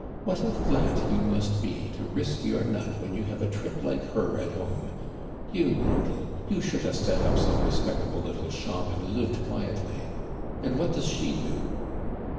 What a flat you must be to risk your nut when you have a trip like her at home! You noodle; you should have set up some respectable little shop and lived quietly. And what does she do?"